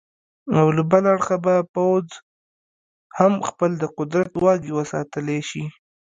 او له بله اړخه به پوځ هم خپل د قدرت واګې وساتلې شي.